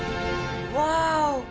ワーオ！